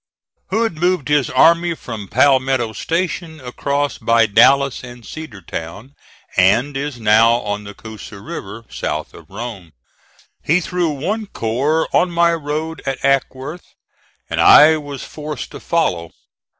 "Hood moved his army from Palmetto Station across by Dallas and Cedartown, and is now on the Coosa River, south of Rome. He threw one corps on my road at Acworth, and I was forced to follow.